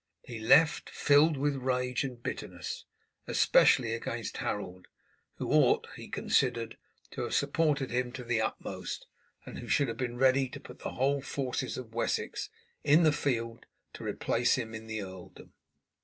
He left filled with rage and bitterness, especially against Harold, who ought, he considered, to have supported him to the utmost, and who should have been ready to put the whole forces of Wessex in the field to replace him in the earldom.